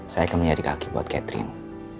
saya akan menjadi kaki buat catherine